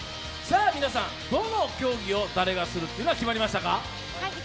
皆さんどの競技を誰がするかは決まりましたか？